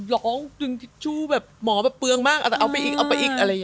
ร้องจึงทิชชู่แบบหมอแบบเปลืองมากแต่เอาไปอีกเอาไปอีกอะไรอย่างนี้